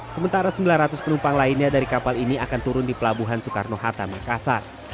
sementara sembilan ratus penumpang lainnya dari kapal ini akan turun di pelabuhan soekarno hatta makassar